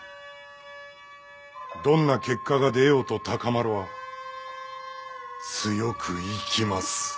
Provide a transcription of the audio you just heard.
どんな結果が出ようと孝麿は強く生きます。